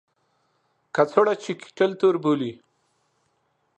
کڅوړه چې کیټل تور بولي.